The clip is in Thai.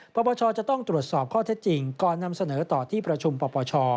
ปปชจะต้องตรวจสอบข้อเท็จจริงก่อนนำเสนอต่อที่ประชุมปปช